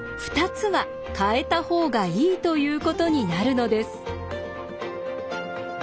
２つは変えた方がいいということになるのです。